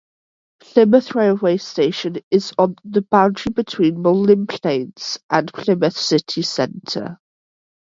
Plymouth Railway Station is on the boundary between Mutley Plain and Plymouth City Centre.